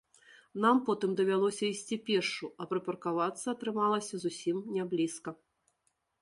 Нам потым давялося ісці пешшу, а прыпаркавацца атрымалася зусім не блізка.